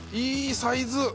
いいサイズ！